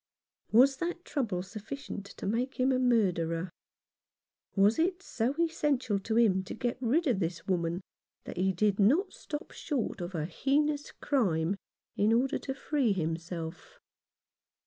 Was that trouble sufficient to make him a murderer ? Was it so essential to him to get rid of this woman that he did not stop short of a heinous crime in order to free himself?